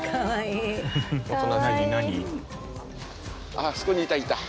あああそこにいたいた。